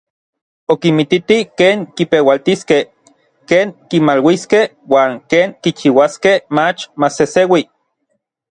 Okinmititi ken kipeualtiskej, ken kimaluiskej uan ken kichiuaskej mach maseseui.